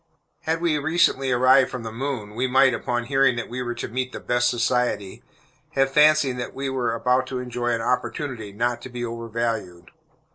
Had we recently arrived from the moon, we might, upon hearing that we were to meet the "best society," have fancied that we were about to enjoy an opportunity not to be overvalued.